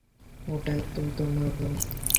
ওটাই তো তোমার রুম।